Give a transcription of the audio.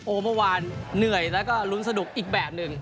เมื่อวานเหนื่อยแล้วก็ลุ้นสนุกอีกแบบหนึ่ง